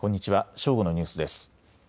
正午のニュースです。